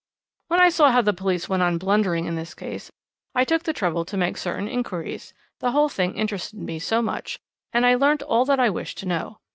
"When I saw how the police went on blundering in this case I took the trouble to make certain inquiries, the whole thing interested me so much, and I learnt all that I wished to know.